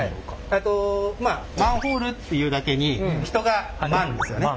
えっとまあマンホールっていうだけに人がマンですよね。